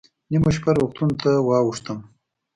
نیمه شپه روغتون ته واوښتم.